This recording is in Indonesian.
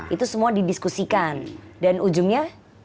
itu semua didiskusikan dan ujungnya